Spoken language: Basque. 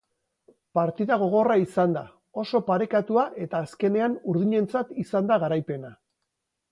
Partida gogorra izan da, oso parekatua eta azkenean urdinentzat izan da garaipena.